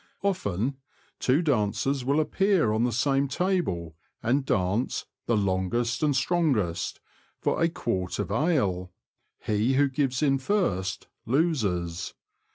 Often two dancers will appear on the same table, and dance " the longest and strongest " for a quart of ale ; he who gives in first loses.